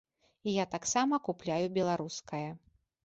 І я таксама купляю беларускае.